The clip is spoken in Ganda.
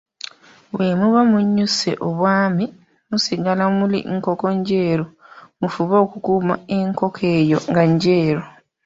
Bwe muba munnyuse Obwami, musigala muli nkoko njeru, mufube okukuuma enkoko eyo nga njeru.